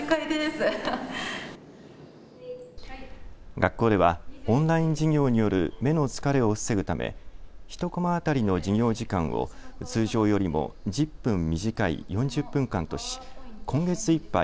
学校では、オンライン授業による目の疲れを防ぐため１コマ当たりの授業時間を通常よりも１０分短い４０分間とし今月いっぱい